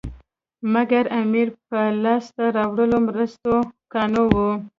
مګر امیر په لاسته راوړو مرستو قانع وو.